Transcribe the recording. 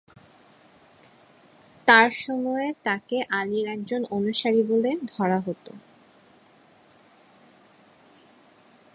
তার সময়ে তাকে আলির একজন অনুসারী বলে ধরা হত।